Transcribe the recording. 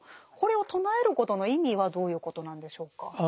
これを唱えることの意味はどういうことなんでしょうか？